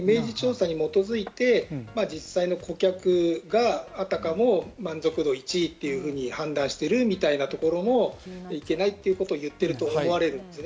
イメージ調査に基づいて実際の顧客が、あたかも満足度１位というふうに判断してるみたいなところもいけないということを言ってると思われるんです。